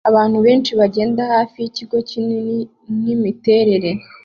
Abantu benshi bagenda hafi yikigo kinini nkimiterere